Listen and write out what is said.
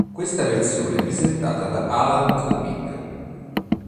Questa versione è presentata da Alan Cumming.